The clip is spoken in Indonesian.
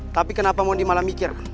tapi kenapa mondi malah mikir